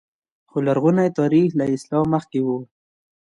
خو لرغونی تاریخ له اسلام مخکې و